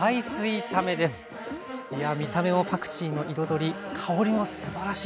いや見た目もパクチーの彩り香りもすばらしいです。